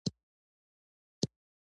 بیا یې د خپلې خوښې په انځورونو بشپړ کړئ.